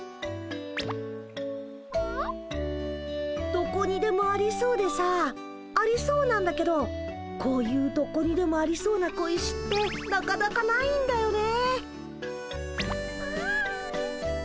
どこにでもありそうでさありそうなんだけどこういうどこにでもありそうな小石ってなかなかないんだよね。